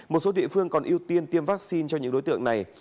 một số địa phương còn ưu tiên tiêm vaccine cho những đối tượng này